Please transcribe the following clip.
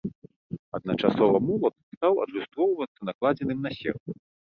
Адначасова молат стаў адлюстроўвацца накладзеным на серп.